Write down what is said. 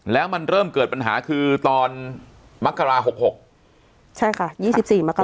แล้วมันเริ่มเกิดปัญหาคือตอนมักกะลาหกหกใช่ค่ะยี่สิบสี่มักกะลา